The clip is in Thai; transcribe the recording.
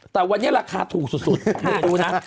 แต่วันนี้ราคาถูกสุดดูนะ